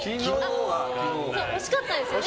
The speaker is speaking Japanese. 惜しかったんですよね。